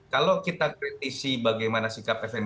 kalau kita kritisi bagaimana sikap fndc bolon